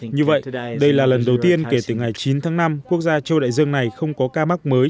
như vậy đây là lần đầu tiên kể từ ngày chín tháng năm quốc gia châu đại dương này không có ca mắc mới